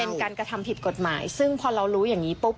เป็นการกระทำผิดกฎหมายซึ่งพอเรารู้อย่างนี้ปุ๊บ